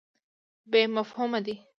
بې مفهومه دی.